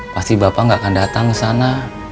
pasti bapak gak akan datang kesana